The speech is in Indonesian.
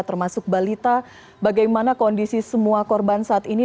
termasuk balita bagaimana kondisi semua korban saat ini